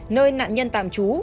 nơi nạn nhân tạm trú